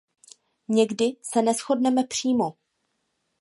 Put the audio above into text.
Někdy se neshodneme přímo.